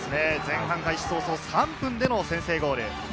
前半開始早々３分での先制ゴール。